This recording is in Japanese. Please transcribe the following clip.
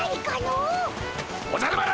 おじゃる丸！